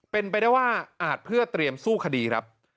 เป็นไปได้ว่าอาจเพื่อเตรียมสู้คดีครับ